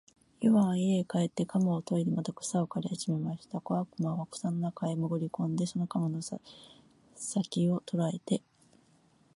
イワンは家へ帰って鎌をといでまた草を刈りはじめました。小悪魔は草の中へもぐり込んで、その鎌の先きを捉えて、